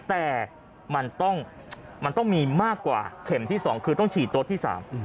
แต่มันต้องมันต้องมีมากกว่าเข็มที่๒คือต้องฉีดโต๊ะที่๓